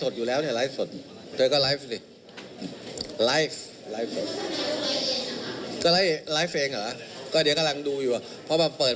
ในอิสาบัด